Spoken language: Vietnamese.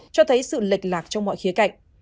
cho thấy sự lệch lạc trong mọi khía cạnh